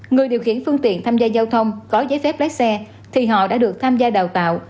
người điều khiển phương tiện tham gia giao thông có giấy phép lái xe thì họ đã được tham gia đào tạo